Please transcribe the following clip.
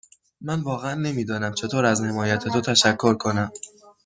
من واقعا نمی دانم چطور از حمایت تو تشکر کنم.